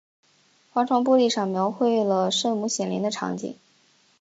花窗玻璃上描绘了圣母显灵的场景。